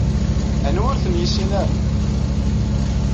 Anwa ur ten-yessinen ara?